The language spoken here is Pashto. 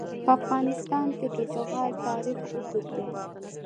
په افغانستان کې د زغال تاریخ اوږد دی.